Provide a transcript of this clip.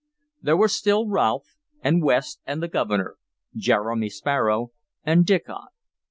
There were still Rolfe and West and the Governor, Jeremy Sparrow and Diccon.